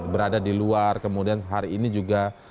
berada di luar kemudian hari ini juga